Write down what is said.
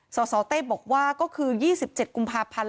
สสเต้บอกว่าก็คือ๒๗กุมภาพันธ์